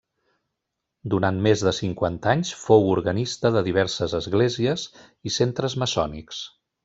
Durant més de cinquanta anys fou organista de diverses esglésies i centres maçònics.